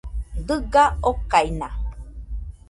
Dɨga okaina.